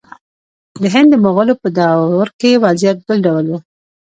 د هند د مغولو په دور کې وضعیت بل ډول و.